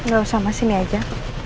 gak usah mas sini aja